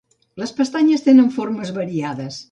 Les pestanyes tenen formes variades.